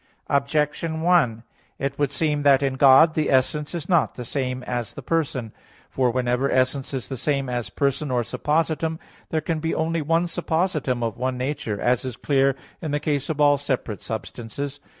Objection 1: It would seem that in God the essence is not the same as person. For whenever essence is the same as person or suppositum, there can be only one suppositum of one nature, as is clear in the case of all separate substances.